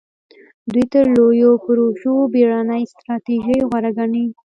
دوی تر لویو پروژو بېړنۍ ستراتیژۍ غوره ګڼلې.